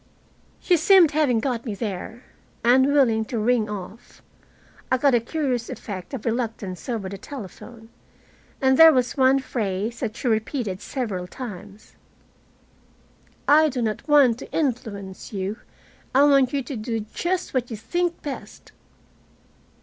She seemed, having got me there, unwilling to ring off. I got a curious effect of reluctance over the telephone, and there was one phrase that she repeated several times. "I do not want to influence you. I want you to do just what you think best."